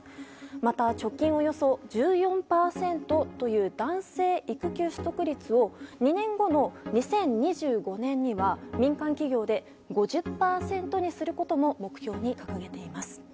また、直近およそ１４％という男性育休取得率を２年後の２０２５年には民間企業で５０％にすることも目標に掲げています。